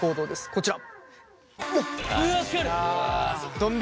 こちら。